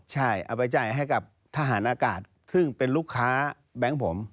ใช่เอาไปจ่ายให้กับทหารอากาศซึ่งเป็นลูกค้าแบงค์ผม